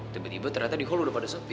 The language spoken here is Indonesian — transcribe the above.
tiba tiba ternyata di hall udah pada sepi